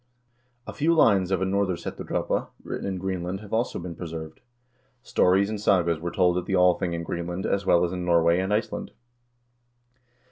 A few lines of a "Nororsetudrapa" written in Greenland have also been preserved. Stories and sagas were told at the Althing in Greenland as well as in Norway and Iceland.